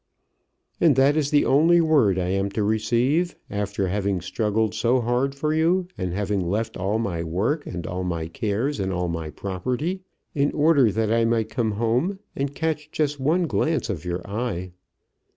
"And that is the only word I am to receive, after having struggled so hard for you, and having left all my work, and all my cares, and all my property, in order that I might come home, and catch just one glance of your eye.